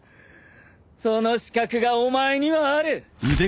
その資格がお前にはある。